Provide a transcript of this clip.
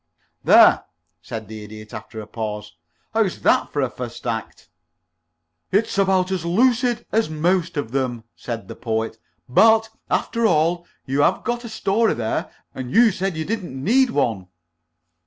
"There," said the Idiot, after a pause. "How is that for a first act?" "It's about as lucid as most of them," said the Poet, "but, after all, you have got a story there, and you said you didn't need one."